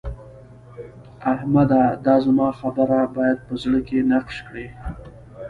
احمده! دا زما خبره بايد په زړه کې نقش کړې.